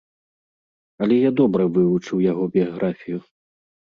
Але я добра вывучыў яго біяграфію.